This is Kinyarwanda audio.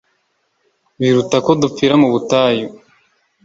biruta ko dupfira mu butayu?”